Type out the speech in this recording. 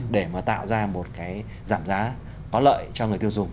để mà tạo ra một cái giảm giá có lợi cho người tiêu dùng